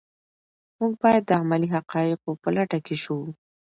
موږ باید د علمي حقایقو په لټه کې شو.